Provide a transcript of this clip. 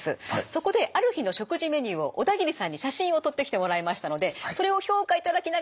そこである日の食事メニューを小田切さんに写真を撮ってきてもらいましたのでそれを評価いただきながら教えてもらいます。